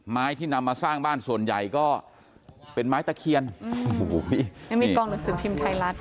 ที่นำมาสร้างบ้านส่วนใหญ่ก็เป็นไม้ตะเคียนโอ้โหพี่ยังมีกองหนังสือพิมพ์ไทยรัฐ